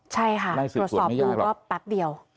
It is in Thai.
ใช่ค่ะตรวจสอบดูก็แป๊บเดียว